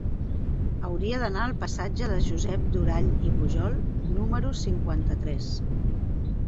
Hauria d'anar al passatge de Josep Durall i Pujol número cinquanta-tres.